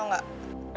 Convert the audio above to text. orang tau gak